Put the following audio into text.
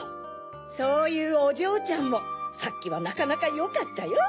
そういうおじょうちゃんもさっきはなかなかよかったよ。